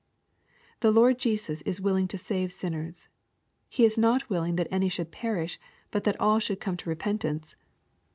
The Lord Jesus is willing to save sinners. " He is not willing that any should perish, but that all should jome to repentance."